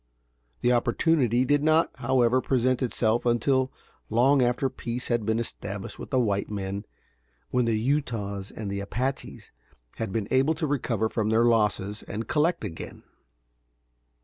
The opportunity did not, however, present itself until long after peace had been established with the white men, when the Utahs and Apaches had been able to recover from their losses and collect again.